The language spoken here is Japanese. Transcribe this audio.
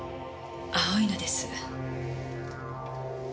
青いのです。